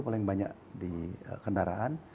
paling banyak di kendaraan